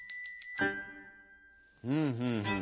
ふんふんふん。